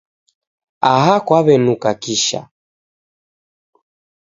Aha kwaw'enuka kisha